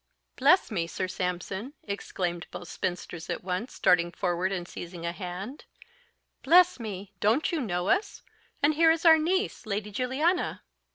"Bless me, Sir Sampson!" exclaimed both spinsters at once, darting forward and seizing a hand; "bless me, don't you know us? And here is our niece, Lady Juliana."